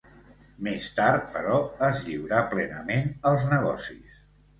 Més tard, però, es lliurà plenament als negocis.